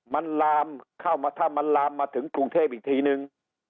มันลามเข้ามาถ้ามันลามมาถึงกรุงเทพอีกทีนึง